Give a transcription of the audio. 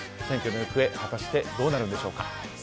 選挙の行方果たしてどうなるんでしょうか？